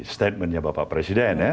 statementnya bapak presiden